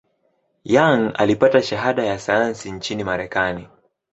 Young alipata shahada ya sayansi nchini Marekani.